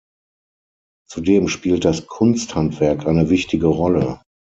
Zudem spielt das Kunsthandwerk eine wichtige Rolle.